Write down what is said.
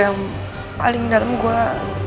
yang paling dalam gue